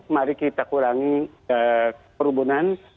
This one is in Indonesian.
mari kita kurangi perubunan